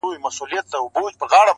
• په سل ګونو یې وه کړي سفرونه -